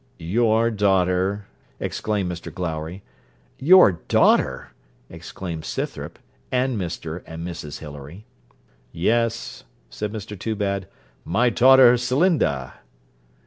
'Your daughter!' exclaimed Mr Glowry. 'Your daughter!' exclaimed Scythrop, and Mr and Mrs Hilary. 'Yes,' said Mr Toobad, 'my daughter Celinda.'